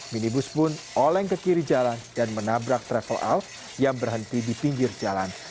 minibus pun oleng ke kiri jalan dan menabrak travel out yang berhenti di pinggir jalan